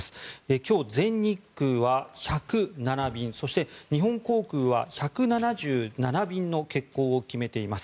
今日、全日空は１０７便そして日本航空は１７７便の欠航を決めています。